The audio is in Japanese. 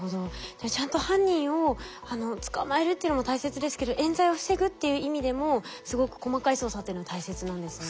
じゃあちゃんと犯人を捕まえるっていうのも大切ですけどえん罪を防ぐっていう意味でもすごく細かい捜査っていうのは大切なんですね。